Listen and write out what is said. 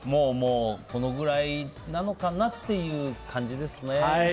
このくらいなのかなっていう感じですね。